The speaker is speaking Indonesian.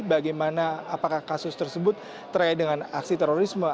bagaimana apakah kasus tersebut terkait dengan aksi terorisme